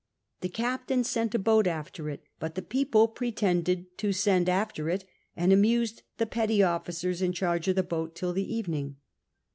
The captain sent a boat after it^ but the people pretended to send after it, and amused the i)etty officers in charge of the boat till the evening.